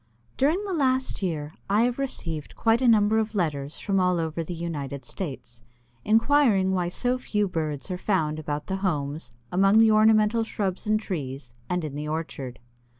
During the last year I have received quite a number of letters from all over the United States, inquiring why so few birds are found about the homes, among the ornamental shrubs and trees, and in the orchard.